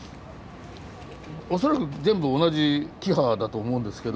恐らく全部同じキハだと思うんですけど。